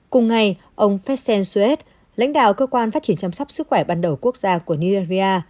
cùng ngày ông fessen souet lãnh đạo cơ quan phát triển chăm sóc sức khỏe ban đầu quốc gia của nigeria